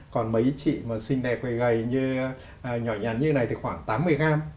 còn mấy chị mà xinh đẹp khỏe gầy nhỏ nhắn như thế này thì khoảng tám mươi gram